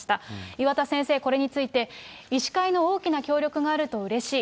岩田先生、これについて、医師会の大きな協力があるとうれしい。